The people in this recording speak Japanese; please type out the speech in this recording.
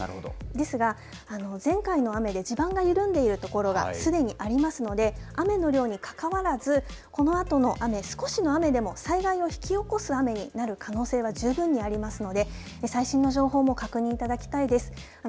ですが、前回の雨で地盤が緩んでいる所がすでにありますので雨の量にかかわらずこのあとの雨、少しの雨でも災害を引き起こす雨になる可能性は十分にありますので最新の情報も確認いただきたいです。